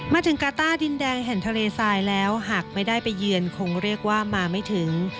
มาถึงกาต้าดินแดงแห่งทะเลทรายแล้วหากไม่ได้ไปเยือนคงเรียกว่ามาไม่ถึง